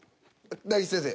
大吉先生